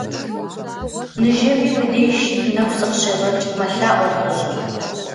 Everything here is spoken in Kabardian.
Ныжэбэ уи деж нэху сыкъыщегъэкӀ, - мэлъаӀуэ лӀыжьыр.